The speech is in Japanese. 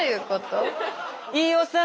飯尾さん。